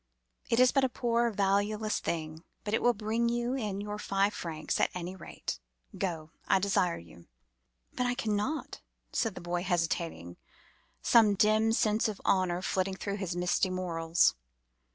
It is but a poor, valueless thing, but it will bring you in your five francs, at any rate. Go! I desire you.' "'But I cannot,' said the boy, hesitating; some dim sense of honour flitting through his misty morals.